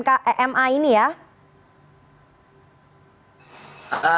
atau dari pemerintah ini ya